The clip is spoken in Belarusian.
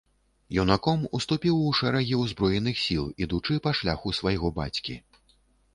Юнаком уступіў у шэрагі ўзброеных сіл, ідучы па шляху свайго бацькі.